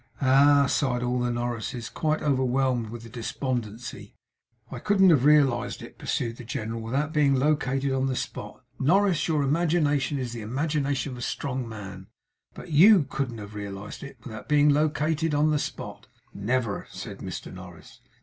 'Ah!' sighed all the Norrises, quite overwhelmed with despondency. 'I couldn't have realised it,' pursued the general, 'without being located on the spot. Norris, your imagination is the imagination of a strong man, but YOU couldn't have realised it, without being located on the spot!' 'Never,' said Mr Norris.